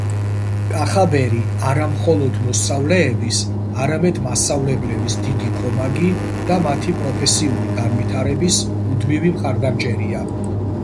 კახაბერი არა მხოლოდ მოსწავლეების, არამედ მასწავლებლების დიდი ქომაგი და მათი პროფესიული განვითარების მუდმივი მხარდამჭერია.